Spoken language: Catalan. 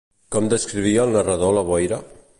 Com descrivia el narrador la boira?